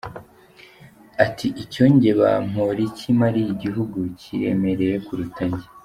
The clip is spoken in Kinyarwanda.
Ati ”Icyo Njye Bamporiki mariye igihugu kiremereye kuruta njye.